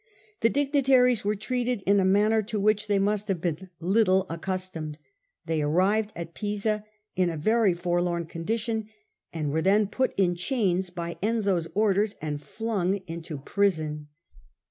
The dignitaries were treated in a manner to which they must have been little accustomed. They arrived at Pisa in a very forlorn condition and were then put in chains by Enzio's orders and flung into prison.